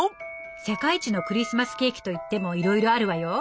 世界一のクリスマスケーキといってもいろいろあるわよ。